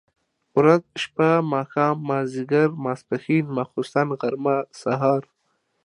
ورځ، شپه ،ماښام، ماځيګر، ماسپښن ، ماخوستن ، غرمه ،سهار،